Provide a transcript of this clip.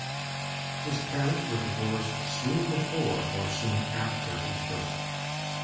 His parents were divorced soon before or soon after his birth.